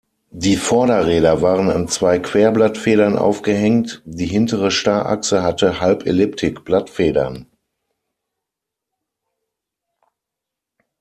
Die Vorderräder waren an zwei Querblattfedern aufgehängt, die hintere Starrachse hatte Halbelliptik-Blattfedern.